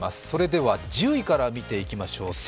それでは１０位から見ていきましょう。